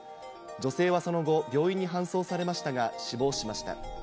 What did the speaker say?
女性はその後、病院に搬送されましたが死亡しました。